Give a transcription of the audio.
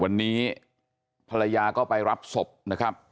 วันนี้ภรรยาก็ไปรับศพนะครับ